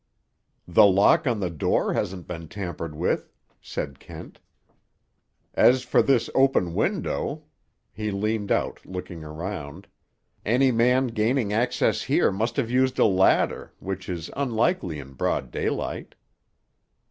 "The lock of the door hasn't been tampered with," said Kent. "As for this open window," he leaned out, looking around, "any man gaining access here must have used a ladder, which is unlikely in broad daylight."